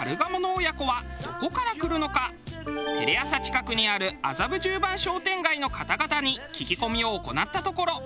テレ朝近くにある麻布十番商店街の方々に聞き込みを行ったところ